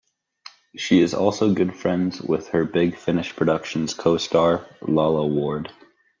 She is also good friends with her Big Finish Productions co-star Lalla Ward.